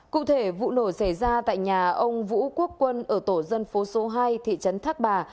cụ thể vụ nổ xảy ra tại nhà ông vũ quốc quân ở tổ dân phố số hai thị trấn thác bà